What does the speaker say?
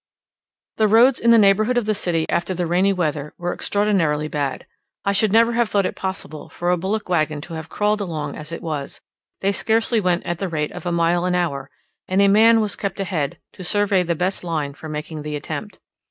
The roads in the neighbourhood of the city after the rainy weather, were extraordinarily bad. I should never have thought it possible for a bullock waggon to have crawled along: as it was, they scarcely went at the rate of a mile an hour, and a man was kept ahead, to survey the best line for making the attempt.